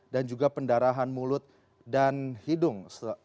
dan juga pendarahan mulut dan hidung